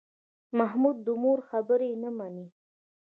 محمود د مور خبرې نه مني.